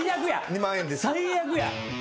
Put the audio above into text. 最悪や。